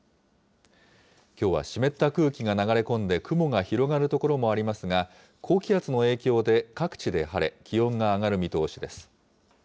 きょうは湿った空気が流れ込んで雲が広がる所もありますが、高気圧の影響で各地で晴れ、気温が上がる見通しです。